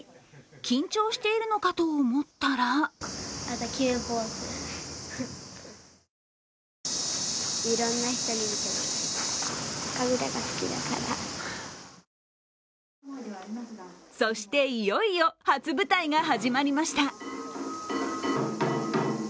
緊張しているのかと思ったらそして、いよいよ、初舞台が始まりました。